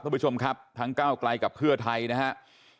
คุณผู้ชมครับทั้งก้าวไกลกับเพื่อไทยนะครับ